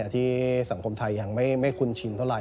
ที่สังคมไทยยังไม่คุ้นชินเท่าไห